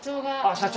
社長。